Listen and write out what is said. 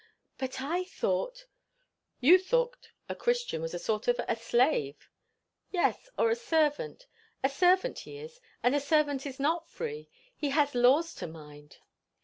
"But I thought " "You thought a Christian was a sort of a slave." "Yes. Or a servant. A servant he is; and a servant is not free. He has laws to mind."